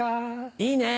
いいね。